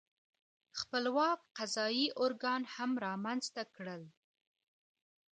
خپلواک قضايي ارګان هم رامنځته کړل.